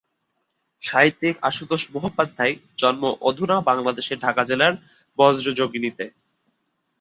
সাহিত্যিক আশুতোষ মুখোপাধ্যায়ের জন্ম অধুনা বাংলাদেশের ঢাকা জেলার বজ্রযোগিনীতে।